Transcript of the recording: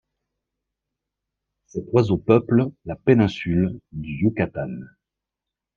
Cet oiseau peuple la péninsule du Yucatán.